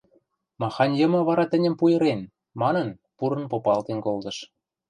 Махань йымы вара тӹньӹм пуйырен?.. – манын, пурын попалтен колтыш.